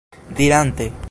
dirante